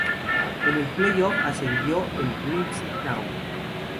En el "play-off", ascendió el Grimsby Town.